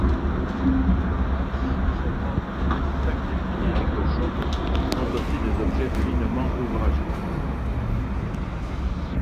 Les masses servant à sacrifier les cochons sont aussi des objets finement ouvragés.